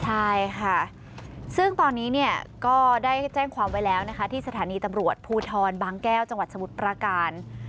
ใช่ค่ะซึ่งตอนนี้เนี่ยก็ได้แจ้งความไว้แล้วนะคะที่สถานีตำรวจภูทรบางแก้วจังหวัดสมุทรประการ